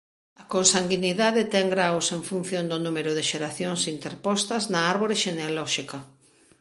A consanguinidade ten graos en función do número de xeracións interpostas na árbore xenealóxica.